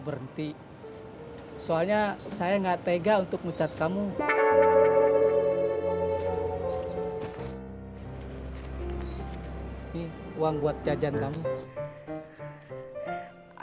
hari ini religious nikmnya tadi jatuh